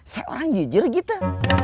saya orang jujur gitu